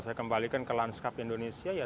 saya kembalikan ke lanskap indonesia ya